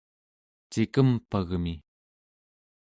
cikempagmi